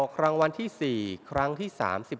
อครั้งวันที่๔ครั้งที่๓๘